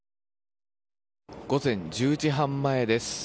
午前１０時半前です。